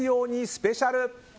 スペシャル。